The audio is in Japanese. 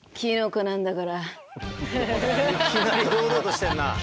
いきなり堂々としてんなあ。